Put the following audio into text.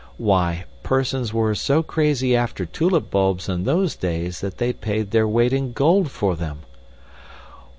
Why, persons were so crazy after tulip bulbs in those days that they paid their weight in gold for them."